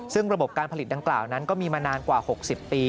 ซึ่งระบบการผลิตดังกล่าวนั้นก็มีมานานกว่า๖๐ปี